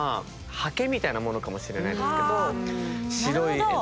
はけみたいなものかもしれないですけど。はなるほど！